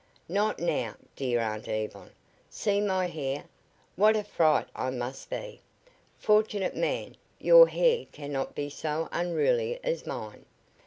"Not now, dear Aunt Yvonne. See my hair! What a fright I must be! Fortunate man, your hair cannot be so unruly as mine.